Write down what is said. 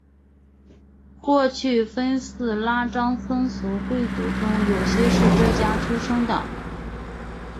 过去分寺拉章僧俗贵族中有些是这家出生的。